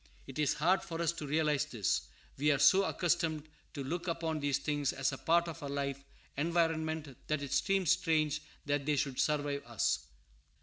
It is hard for us to realize this. We are so accustomed to look upon these things as a part of our life environment that it seems strange that they should survive us.